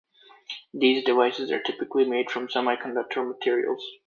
These devices are typically made from semiconductor materials.